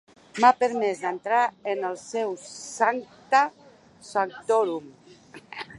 M'ha permès d'entrar en el seu 'sancta sanctorum'.